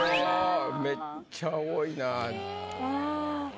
めっちゃ多いな。